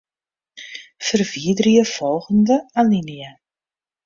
Ferwiderje folgjende alinea.